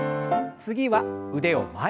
次は腕を前。